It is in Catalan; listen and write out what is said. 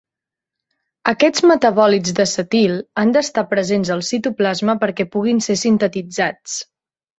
Aquests metabòlits d'acetil han d'estar presents al citoplasma perquè puguin ser sintetitzats.